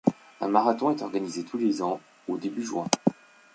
Un marathon est organisé tous les ans, au début juin.